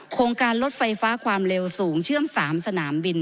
โครงการรถไฟฟ้าความเร็วสูงเชื่อม๓สนามบิน